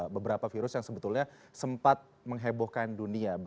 beberapa virus yang sebetulnya sempat menghebohkan dunia